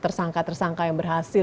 tersangka tersangka yang berhasil